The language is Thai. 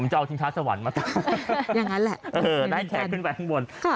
ผมจะเอาชิงช้าสวรรค์มาตามอย่างนั้นแหละเออเออได้แทนขึ้นไปข้างบนค่ะ